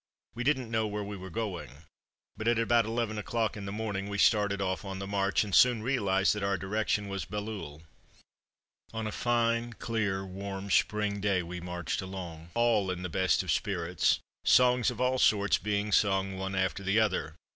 We didn't know where we were going, but at about eleven o'clock in the morning we started off on the march, and soon realized that our direction was Bailleul. On a fine, clear, warm spring day we marched along, all in the best of spirits, songs of all sorts being sung one after the other.